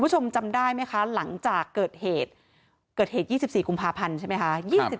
คุณผู้ชมจำได้ไหมคะหลังจากเกิดเหตุเกิดเหตุ๒๔กุมภาพันธ์ใช่ไหมคะ